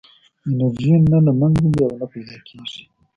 انرژي نه له منځه ځي او نه پیدا کېږي.